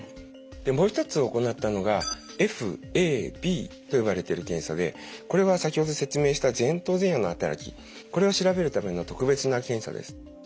でもう一つ行ったのがＦＡＢと呼ばれている検査でこれは先ほど説明した前頭前野の働きこれを調べるための特別な検査です。